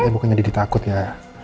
bukannya jadi takut ya